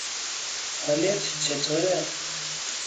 حالت چطوره؟